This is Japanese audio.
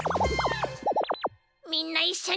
みんないっしょに。